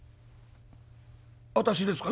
私ですか？」。